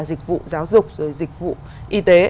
dịch vụ giáo dục rồi dịch vụ y tế